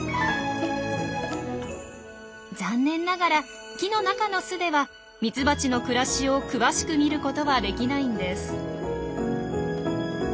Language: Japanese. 残念ながら木の中の巣ではミツバチの暮らしを詳しく見ることはできないんです。